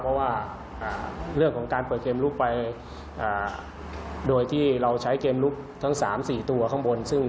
เพราะว่าเรื่องของการเปิดเกมลุกไปโดยที่เราใช้เกมลุกทั้ง๓๔ตัวข้างบนซึ่ง